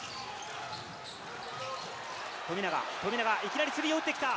富永、富永、いきなりスリーを打ってきた。